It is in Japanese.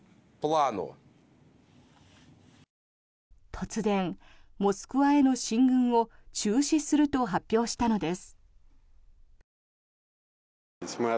突然、モスクワへの進軍を中止すると発表したのです。